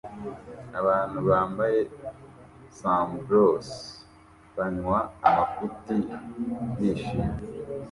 Abantu bambaye sombreros banywa amafuti bishimye